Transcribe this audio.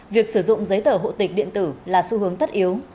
việc sử dụng giấy tờ hộ tịch điện tử là xu hướng tất yếu